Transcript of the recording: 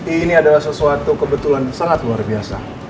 ini adalah sesuatu kebetulan sangat luar biasa